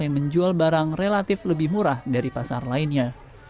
yang menjual barang relatif lebih murah dari pasar lainnya